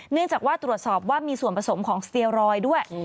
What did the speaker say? เนื่องจากว่าตรวจสอบว่ามีส่วนผสมของสเตียรอยด์ด้วย